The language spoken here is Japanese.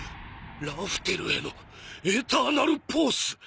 ラフテルへのエターナルポース。